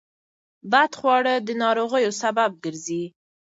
بدخواړه د ناروغیو سبب ګرځي.